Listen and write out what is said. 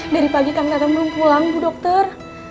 dari pagi kang tatang belum pulang bu dokter